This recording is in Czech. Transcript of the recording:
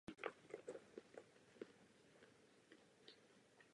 Rozhodně to není žádný problém.